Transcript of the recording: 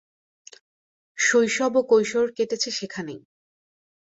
শৈশব ও কৈশোর কেটেছে সেখানেই।